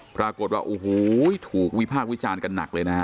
ปรากฏว่าโอ้โหถูกวิพากษ์วิจารณ์กันหนักเลยนะฮะ